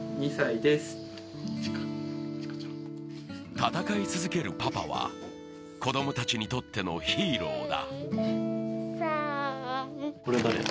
戦い続けるパパは、子供たちにとってのヒーローだ。